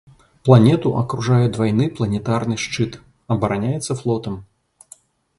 Планету акружае двайны планетарны шчыт, абараняецца флотам.